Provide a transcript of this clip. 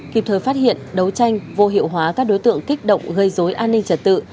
kịp thời phát hiện đấu tranh vô hiệu hóa các đối tượng kích động gây dối an ninh trật tự